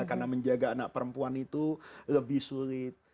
karena menjaga anak perempuan itu lebih sulit